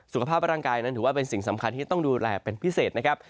สุขภาพร่างกายนั้นถือว่าเป็นสิ่งสำคัญที่ต้องดูแลเป็นพิเศษนะครับ